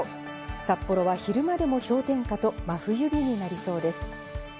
札幌は昼間でも氷点下と、真冬日になりそうです。